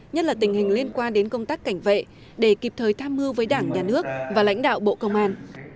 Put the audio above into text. nhất là tình hình liên quan đến công tác cảnh vệ để kịp thời tham mưu với đảng nhà nước và lãnh đạo bộ công an